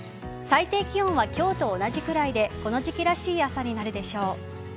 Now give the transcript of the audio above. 最低気温は今日と同じくらいでこの時期らしい朝になるでしょう。